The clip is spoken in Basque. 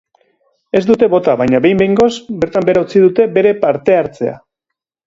Ez dute bota baina behin behingoz bertan behera utzi dute bere parte hartzea.